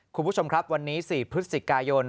คุณผู้ชมครับวันนี้๔พฤศจิกายน